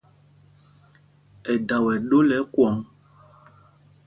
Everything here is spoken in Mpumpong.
Ɛdaa wɛ ɗó lɛ́ ɛkwɔ̌ŋ.